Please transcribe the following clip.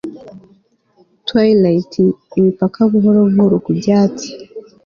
twilight imipaka buhoro buhoro ku byatsi